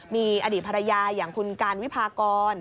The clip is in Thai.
มีอดีตภรรยาอย่างคุณการวิพากร